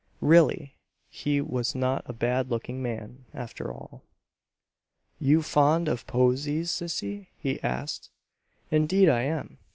Really! He was not a bad looking man, after all. "You fond of posies, sissy?" he asked. "Indeed I am!"